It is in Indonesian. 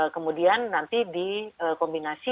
kemudian nanti dikombinasi